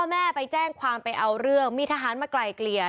แม่ไปแจ้งความไปเอาเรื่องมีทหารมาไกลเกลี่ย